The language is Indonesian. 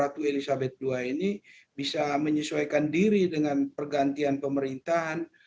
dan kita melihat bahwa ratu elizabeth ii ini bisa menyesuaikan diri dengan pergantian pemerintahan